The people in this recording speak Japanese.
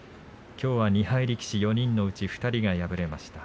きょうは２敗力士、４人のうち２人が敗れました。